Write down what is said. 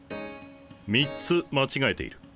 ３つ間違えている。